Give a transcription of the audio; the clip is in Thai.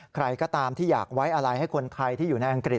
ใครก็ตามที่อยากไว้อะไรให้คนไทยที่อยู่ในอังกฤษ